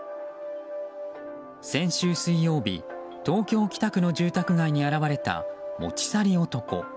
先週水曜日、東京・北区の住宅街に現れた持ち去り男。